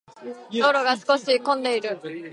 道路が少し混んでいる。